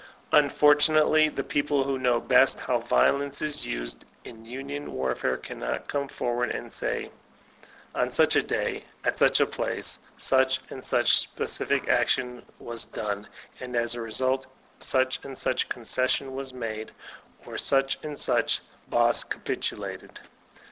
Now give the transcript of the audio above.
Unfortunately, the people who know best how vio lence is used in union warfare, cannot come forward and say : ''On such a day, at such a place, such and such a specific action was done, and as the result such and such a concession was made, or such and such a boss cap itulated."